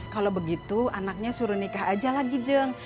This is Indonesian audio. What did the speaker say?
kalau begitu anaknya suruh nikah aja lagi jeng